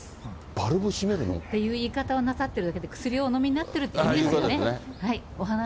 バルブしめるの？という言い方をなさってるだけで、薬をお飲みになってるって意味ですよね。